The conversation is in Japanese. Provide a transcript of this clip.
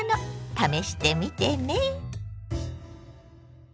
試してみてね。